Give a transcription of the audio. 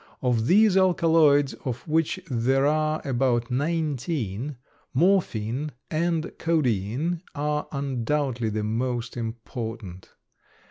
Of these alkaloids, of which there are about nineteen, morphine and codeine are undoubtedly the most important.